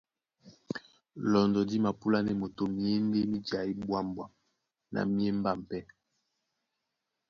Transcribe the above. Lɔndɔ dí mapúlánɛ́ moto myěndé mí jaí ɓwâmɓwam na mí émbám pɛ́.